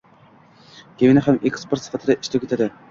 Kamina ham ekspert sifatida ishtirok etdi.